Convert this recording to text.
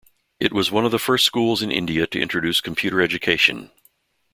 It was one of the first schools in India to introduce computer education.